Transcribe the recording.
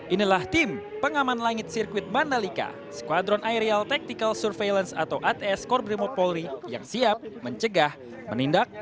inilah tim pengaman langit sirkuit mandalika skuadron aerial tactical surveillance atau ats korbrimopolri yang siap mencegah menindak